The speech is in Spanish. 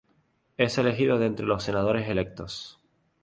Es elegido de entre los senadores electos.